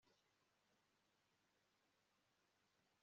Tom yicaye imbere ya mudasobwa ye